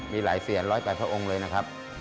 มีหลายเสียน๑๐๘พระองค์เลยนะครับ